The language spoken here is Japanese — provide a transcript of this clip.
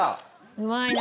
うまいな。